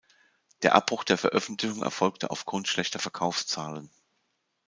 Der Abbruch der Veröffentlichung erfolgte aufgrund schlechter Verkaufszahlen.